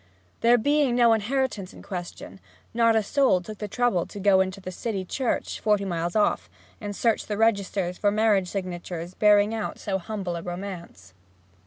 There being no inheritance in question, not a soul took the trouble to go to the city church, forty miles off, and search the registers for marriage signatures bearing out so humble a romance.